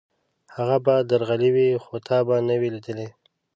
هغه به درغلی وي، خو تا به نه وي لېدلی.